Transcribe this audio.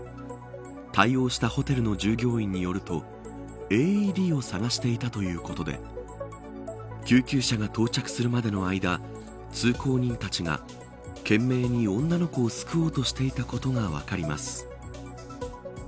対応したホテルの従業員によるとＡＥＤを探していたということで救急車が到着するまでの間通行人たちが懸命に女の子を救おうとしていたことが分かります。